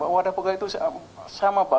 wadah pegawai itu sama pak